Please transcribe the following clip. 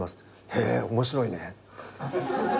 「へぇ面白いね」